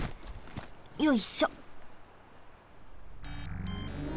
よいしょ。